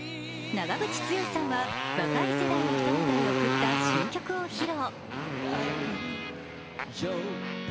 長渕剛さんは、若い世代の人などへ贈った新曲を披露。